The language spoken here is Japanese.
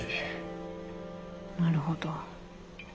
なるほど。